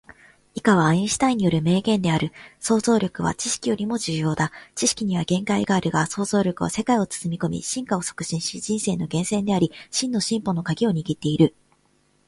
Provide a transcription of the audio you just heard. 以下はアインシュタインによる名言である。「想像力は知識よりも重要だ。知識には限界があるが、想像力は世界を包み込み、進化を促進し、人生の源泉であり、真の進歩の鍵を握っている。想像力を持つことで、我々は未知の可能性を追求し、既存のものを超えて未来を創造することができる」